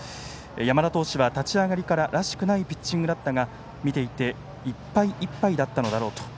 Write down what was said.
山田投手は立ち上がりかららしくないピッチングだったが見ていて、いっぱいいっぱいだったのだろうと。